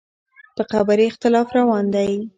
په قبر یې اختلاف روان دی.